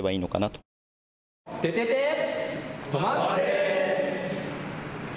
とまって！